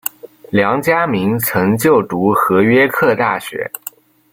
梁嘉铭曾就读和约克大学。